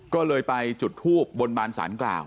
ก็เลยไปจุดทูบบนบานสารกล่าว